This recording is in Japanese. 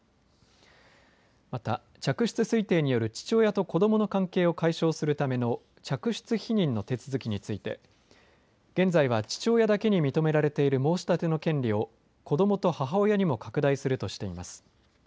また嫡出推定による父親と子どもの関係を解消するための嫡出否認の手続きについて現在は父親だけに認められている申し立ての権利を子どもと母親にも拡大するとしています。